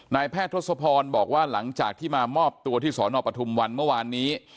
แพทย์ทศพรบอกว่าหลังจากที่มามอบตัวที่สอนอปทุมวันเมื่อวานนี้